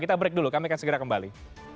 kita break dulu kami akan segera kembali